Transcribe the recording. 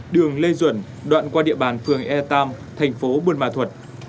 đường lê duẩn đoạn qua địa bàn phường ia tam thành phố bôn ma thuật